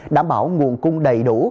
đảm bảo nguồn cung đầy đủ